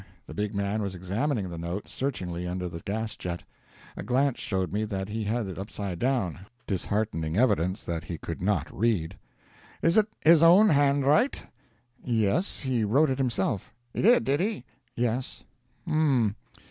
The big man was examining the note searchingly under the gas jet. A glance showed me that he had it upside down disheartening evidence that he could not read. "Is ut his own handwrite?" "Yes he wrote it himself." "He did, did he?" "Yes." "H'm.